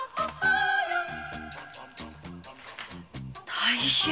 大変！